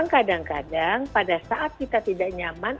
kadang kadang pada saat kita tidak nyaman